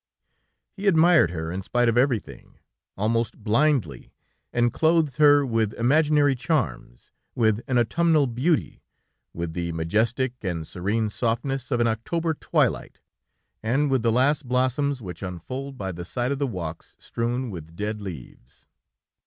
He admired her in spite of everything, almost blindly, and clothed her with imaginary charms, with an autumnal beauty, with the majestic and serene softness of an October twilight, and with the last blossoms which unfold by the side of the walks, strewn with dead leaves.